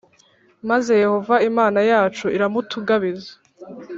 maze yehova imana yacu iramutugabiza,+